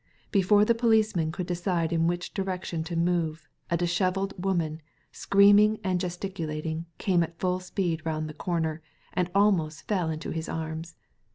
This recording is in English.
Before the policeman could decide in which direc tion to move, a dishevelled woman, screaming and gesticulating, came at full speed round the corner, and almost fell into his arms.